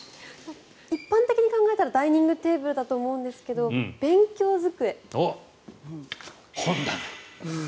一般的に考えたらダイニングテーブルだと思うんですが勉強机。